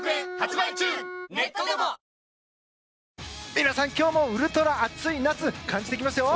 皆さん、今日もウルトラ熱い夏感じていきます！